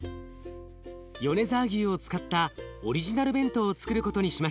米沢牛を使ったオリジナル弁当をつくることにしました。